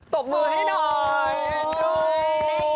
บมือให้หน่อย